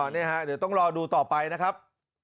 นี่ฮะเดี๋ยวต้องรอดูต่อไปนะครับ